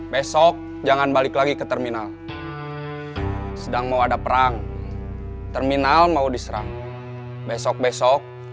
besok jangan balik lagi ke terminal sedang mau ada perang terminal mau diserang besok besok